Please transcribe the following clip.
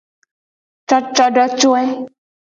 Cocodocoe.